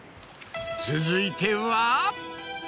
続いては。